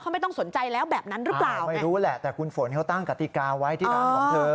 ไม่ต้องสนใจแล้วแบบนั้นหรือเปล่าไม่รู้แหละแต่คุณฝนเขาตั้งกติกาไว้ที่ร้านของเธอ